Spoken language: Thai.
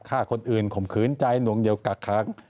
ฆ่าคนอื่นข่มขืนใจหนวงเหนียวกักค้าง